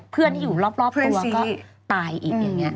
เพื่อนที่อยู่รอบตัวก็ตายอีกอย่างนี้